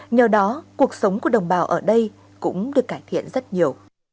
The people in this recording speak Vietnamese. nhờ đó cuộc sống của đồng bào ở đây cũng được cải thiện rất nhiều